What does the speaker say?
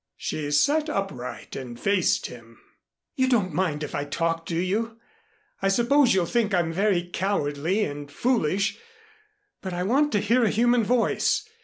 She sat upright and faced him. "You don't mind if I talk, do you? I suppose you'll think I'm very cowardly and foolish, but I want to hear a human voice.